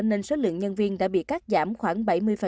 nên số lượng nhân viên đã bị cắt giảm khoảng bảy mươi